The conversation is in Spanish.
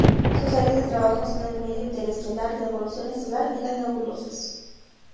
Sus áreas de trabajo son el medio interestelar, la evolución estelar y las nebulosas.